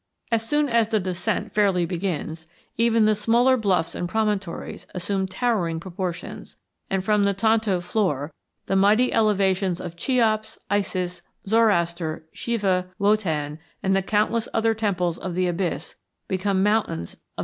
As soon as the descent fairly begins, even the smaller bluffs and promontories assume towering proportions, and, from the Tonto floor, the mighty elevations of Cheops, Isis, Zoroaster, Shiva, Wotan, and the countless other temples of the abyss become mountains of enormous height.